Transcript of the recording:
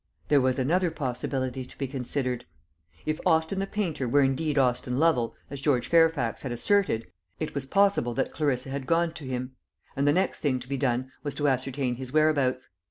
There was another possibility to be considered: if Austin the painter were indeed Austin Lovel, as George Fairfax had asserted, it was possible that Clarissa had gone to him; and the next thing to be done was to ascertain his whereabouts.